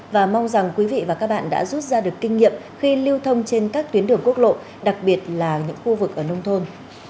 và mong rằng quý vị và các bạn đã rút ra được kinh nghiệm khi lưu thông trên các tuyến đường quốc lộ đặc biệt là những khu vực ở nông thôn